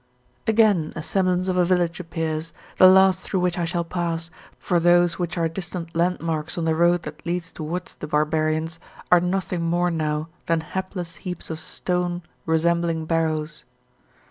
Again a semblance of a village appears, the last through which I shall pass, for those which are distant landmarks on the road that leads towards the barbarians, are nothing more now than hapless heaps of stone resembling barrows.